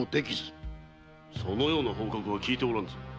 〔そのような報告は聞いておらぬ。